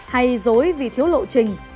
hay dối vì thiếu lộ trình